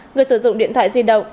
người sử dụng điện thoại di động